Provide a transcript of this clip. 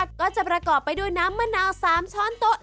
ก็จะประกอบไปด้วยน้ำมะนาว๓ช้อนโต๊ะ